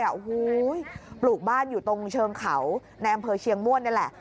โอ้โหปลูกบ้านอยู่ตรงเชิงเขาในอำเภอเชียงม่วนนี่แหละ